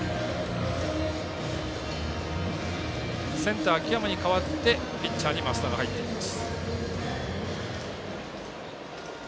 センター、秋山に代わってピッチャーに益田が入っています。